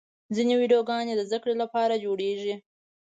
ځینې ویډیوګانې د زدهکړې لپاره جوړېږي.